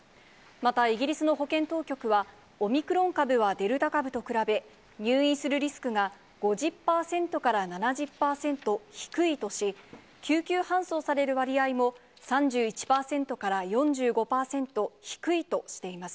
またイギリスの保健当局は、オミクロン株はデルタ株と比べ、入院するリスクが５０％から７０％低いとし、救急搬送される割合も、３１％から４５％低いとしています。